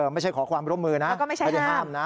ไม่ใช่ขอความร่วมมือนะไม่ได้ห้ามนะ